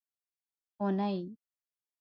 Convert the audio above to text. اونۍ